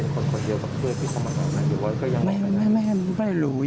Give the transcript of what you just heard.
ขอบคุณครับ